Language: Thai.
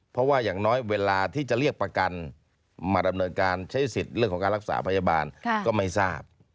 เพราะว่าอย่างน้อยเวลาที่จะเรียกประกันมาดำเนินการใช้สิทธิ์เรื่องของการรักษาพยาบาลก็ไม่ทราบ